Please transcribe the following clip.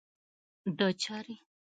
د چارې په لاس کې واخلي.